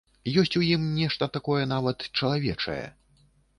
Ёсць у ім нешта такое, нават чалавечае.